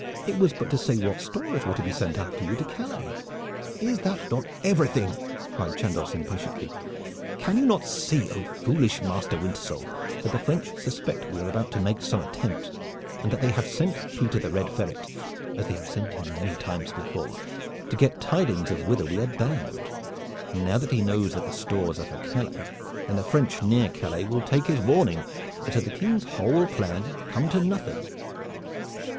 It was but to say what stores were to be sent after you to Calais?" "Is that not everything?" cried Chandos impatiently. "Can you not see, oh foolish Master Wintersole, that the French suspect we are about to make some attempt and that they have sent Peter the Red Ferret, as they have sent him many times before, to get tidings of whither we are bound? Now that he knows that the stores are for Calais, then the French near Calais will take his warning, and so the King's whole plan come to nothing."